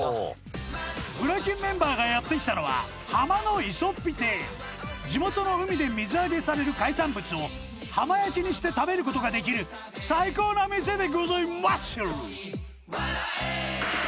ぶら筋メンバーがやって来たのは地元の海で水揚げされる海産物を浜焼きにして食べることができる最高な店でございマッスル！